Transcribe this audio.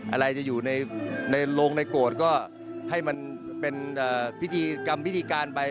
อะไรจะอยู่ในโรงในโกรธก็ให้มันเป็นพิธีกรรมพิธีการไป